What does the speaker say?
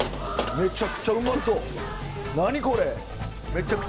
めちゃくちゃうまそう。